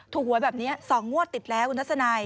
ถูกหวยแบบนี้สองงวดติดแล้วคุณทัศนาย